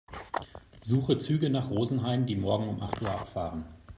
Suche Züge nach Rosenheim, die morgen um acht Uhr abfahren.